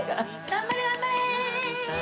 頑張れ頑張れ！